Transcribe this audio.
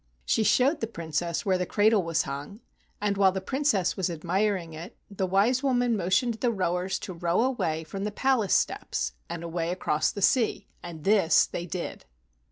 She showed the Prin¬ cess where the cradle was hung, and while the Princess was admiring it, the wise woman mo¬ tioned the rowers to row away from the palace steps and away across the sea; and this they did.